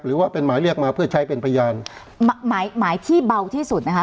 หรือว่าเป็นหมายเรียกมาเพื่อใช้เป็นพยานหมายหมายที่เบาที่สุดนะคะ